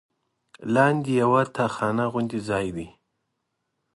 لاندې یوه تاخانه غوندې ځای دی.